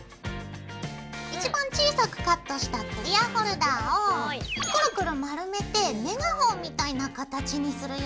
一番小さくカットしたクリアホルダーをクルクル丸めてメガホンみたいな形にするよ。